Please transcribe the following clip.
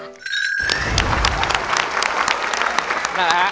นะฮะ